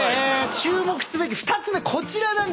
注目すべき２つ目こちらなんですけれども。